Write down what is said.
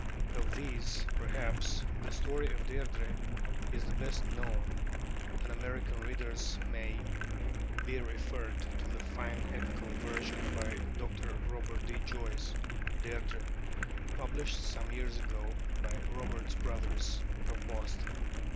Of these perhaps the story of 'Deirdrê' is the best known, and American readers may be referred to the fine epical version by Dr. Robert D. Joyce ('Deirdrê'), published some years ago by Roberts Brothers of Boston.